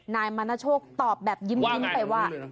นายมานาโชคตอบแบบยิ้มไปว่า